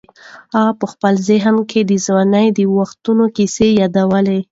هغه په خپل ذهن کې د ځوانۍ د وختونو کیسې یادولې.